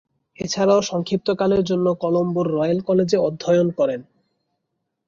এছাড়াও সংক্ষিপ্তকালের জন্য কলম্বোর রয়্যাল কলেজে অধ্যয়ন করেন।